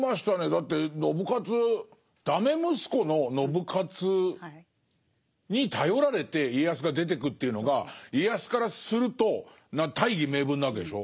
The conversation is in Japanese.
だって信雄ダメ息子の信雄に頼られて家康が出てくっていうのが家康からすると大義名分なわけでしょ。